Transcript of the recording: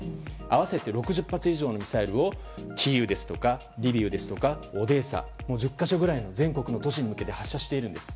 合わせて６０発以上のミサイルをキーウですとかリビウですとか、オデーサ１０か所以上の全国の都市に向け発射しているんです。